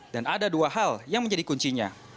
dan ada dua hal yang menjadi kuncinya